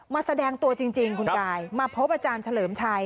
แสดงตัวจริงคุณกายมาพบอาจารย์เฉลิมชัย